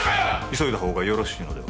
急いだ方がよろしいのでは？